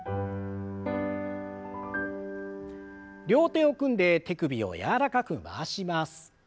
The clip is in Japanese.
両手を組んで手首を柔らかく回します。